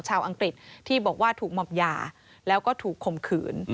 อังกฤษที่บอกว่าถูกหม่อมยาแล้วก็ถูกข่มขืน